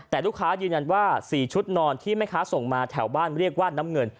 แต่ลูกค้ายืนยันว่า๔ชุดนอนที่แม่ค้าส่งมาแถวบ้านเรียกว่าน้ำเงิน